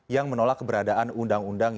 yang menolak keberadaan undang undang